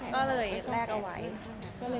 ก็เลยแลกเอาไว้ไปใช้